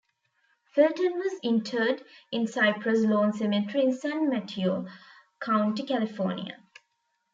Felton was interred in Cypress Lawn Cemetery in San Mateo County, California.